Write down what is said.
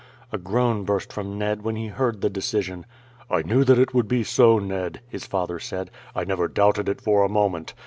A groan burst from Ned when he heard the decision. "I knew that it would be so, Ned," his father said. "I never doubted it for a moment.